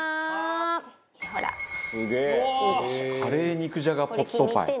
「カレー肉じゃがポットパイ」